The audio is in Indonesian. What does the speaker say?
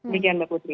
begitu mbak putri